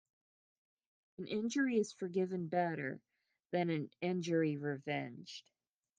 An injury is forgiven better than an injury revenged.